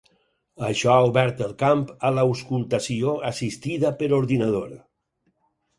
Això ha obert el camp de l'auscultació assistida per ordinador.